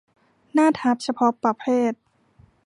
หน้าทับเฉพาะประเภท